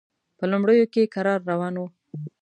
په لومړیو کې کرار روان و.